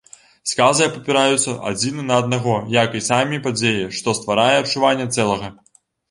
Сказы абапіраюцца адзін на аднаго, як і самі падзеі, што стварае адчуванне цэлага.